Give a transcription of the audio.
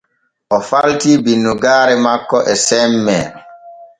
O falti binnugaare makko e semmee.